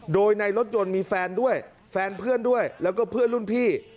โดยในรถยนต์มีแฟนด้วยแฟนเพื่อนด้วยแล้วก็เพื่อนรุ่นพี่